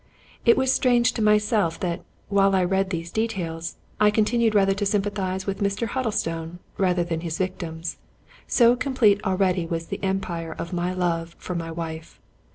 It was strange to myself that, while I read these details, I continued rather to sympathize with Mr. Huddlestone than with his victims; so complete already was the empire of my love for my wife.